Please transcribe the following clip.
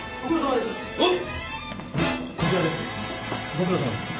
ご苦労さまです。